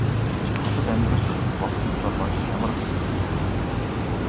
Чи хотод амьдрах болсноосоо хойш ямар байсан бэ?